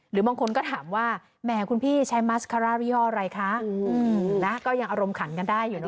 หรือบางคนก็ถามว่าแหมคุณพี่ใช้มัสคาร่ายี่ห้ออะไรคะนะก็ยังอารมณ์ขันกันได้อยู่นะ